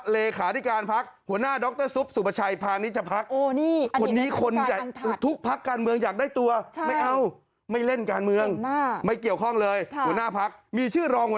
ที่ต่อเนื่องกับท่านพงสรรพรภัทพลจรนอดีตรองโผละปรตนรไปรองหน้ายังไม่ตื่นเต้นเท่ากับน้าแอดบ่าว